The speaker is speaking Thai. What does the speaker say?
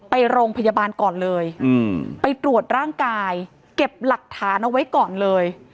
ไปโรงพยาบาลก่อนเลยไปตรวจร่างกายเก็บหลักฐานเอาไว้ก่อนเลย